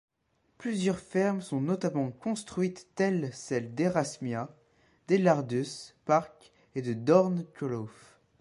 Plusieurs fermes sont notamment construites telles celles d'Erasmia, d'Elardus Park et de Doornkloof.